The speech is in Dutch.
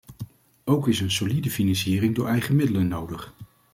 Ook is een solide financiering door eigen middelen nodig.